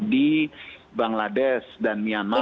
di bangladesh dan myanmar